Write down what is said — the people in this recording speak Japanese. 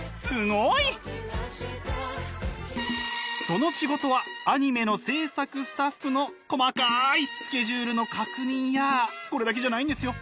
その仕事はアニメの制作スタッフの細かいスケジュールの確認やこれだけじゃないんですよ。